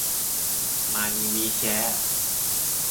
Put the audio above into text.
มานีมีแชร์